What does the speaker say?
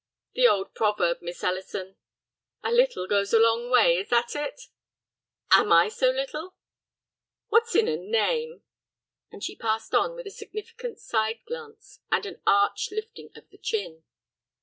"The old proverb, Miss Ellison." "A little goes a long way, is that it?" "Am I so little?" "What's in a name!" and she passed on with a significant side glance and an arch lifting of the chin.